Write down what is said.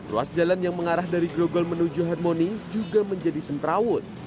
ruas jalan yang mengarah dari grogol menuju hermoni juga menjadi semperawut